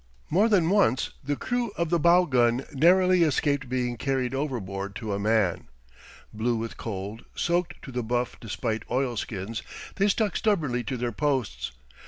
More than once the crew of the bow gun narrowly escaped being carried overboard to a man. Blue with cold, soaked to the buff despite oilskins, they stuck stubbornly to their posts.